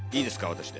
私で。